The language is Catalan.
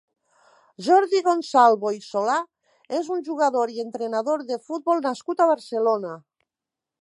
Jordi Gonzalvo i Solà és un jugador i entrenador de futbol nascut a Barcelona.